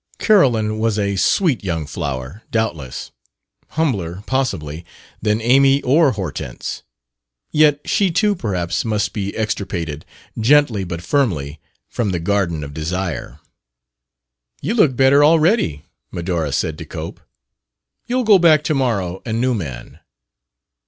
Carolyn was a sweet young flower, doubtless humbler, possibly, than Amy or Hortense; yet she too perhaps must be extirpated, gently but firmly, from the garden of desire. "You look better already," Medora said to Cope. "You'll go back to morrow a new man."